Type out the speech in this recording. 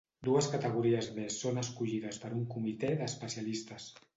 Dues categories més són escollides per un comitè d'especialistes.